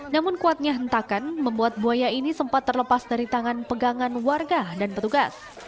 namun kuatnya hentakan membuat buaya ini sempat terlepas dari tangan pegangan warga dan petugas